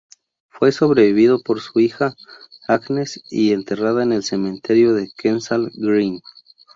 Fue sobrevivido por su hija Agnes, y enterrada en el cementerio de Kensal Green.